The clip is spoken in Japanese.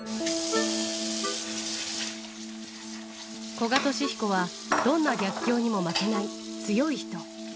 古賀稔彦は、どんな逆境にも負けない強い人。